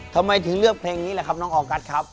ทำไมถึงเลือกเพลงนี้แหละครับน้องออกัสครับ